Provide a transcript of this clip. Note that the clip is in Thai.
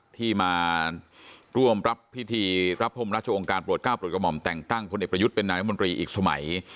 ที่มาร่วมรับพิธีรับพรมราชองค์การโปรดก้าวโปรดกระหม่อมแต่งตั้งพลเอกประยุทธ์เป็นนายมนตรีอีกสมัย